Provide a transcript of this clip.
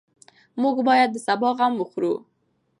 موږ باید د سبا غم وخورو.